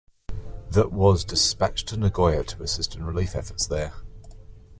The was dispatched to Nagoya to assist in relief efforts there.